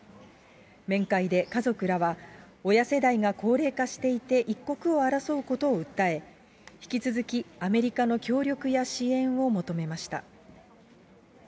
面会で家族らは、親世代が高齢化していて、一刻を争うことを訴え、引き続きアメリカの協力や支援を求めました。